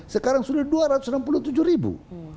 sekarang sudah dua ratus enam puluh tujuh ribu